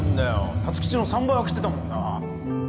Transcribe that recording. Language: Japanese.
辰吉の３倍は切ってたもんなあ